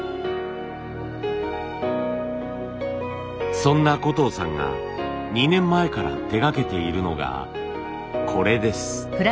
そんな小藤さんが２年前から手がけているのがこれです。